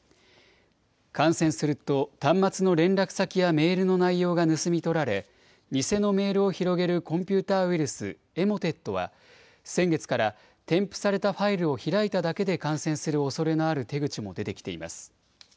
感染すると、端末の連絡先やメールの内容が盗み取られ、偽のメールを広げるコンピューターウイルス、エモテットは、先月から添付されたファイルを開いただけで感染するおそれのある手口も出てきています。